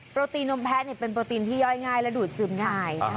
โปรตีนมแพ้เป็นโปรตีนที่ย่อยง่ายและดูดซึมง่าย